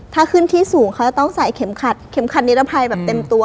ถ้าขึ้นที่สูงเขาจะต้องใส่เข็มขัดเข็มขัดนิรภัยแบบเต็มตัว